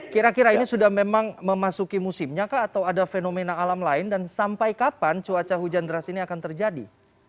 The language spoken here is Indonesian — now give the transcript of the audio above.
kira kira ini sudah memang memasuki musimnya kah atau ada fenomena alam lain dan sampai kapan cuaca hujan deras ini akan terjadi